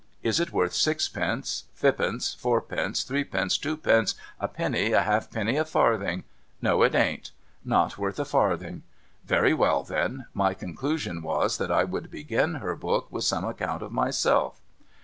Is it worth sixpence, fippence, fourpence, threepence, twopence, a penny, a halfpenny, a farthing ? No, it ain't. Not worth a farthing. Very well, then. My conclusion was that I would begin her book with some account of myself.